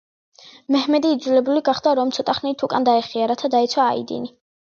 მეჰმედი იძულებული გახდა, რომ ცოტა ხნით უკან დაეხია, რათა დაეცვა აიდინი.